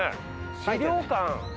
資料館？